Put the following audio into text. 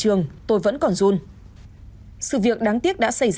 ông kể lại